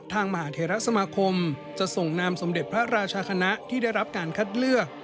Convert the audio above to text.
มหาเทราสมาคมจะส่งนามสมเด็จพระราชคณะที่ได้รับการคัดเลือก